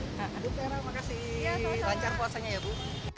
terima kasih lancar posanya ya bu